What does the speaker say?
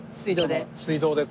水道で？